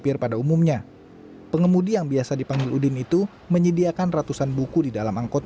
apalagi ia selalu mengingatkan para penumpang jika menyediakan bacaan gratis dalam angkot